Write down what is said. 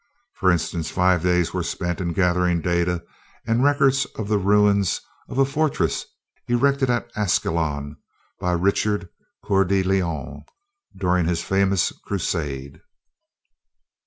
For instance, five days were spent in getting data and records of the ruins of a fortress erected at Ascalon by Richard Coeur de Lion, during his famous Crusade.